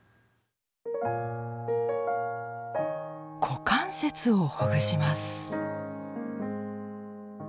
股関節をほぐします。